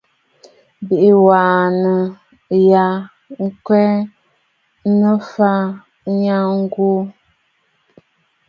Bɨ wa nàà ya ŋkyà nɨ̂mfɔɔ nya ghu tsiʼì nɨ̀tsɨ̀mə̀.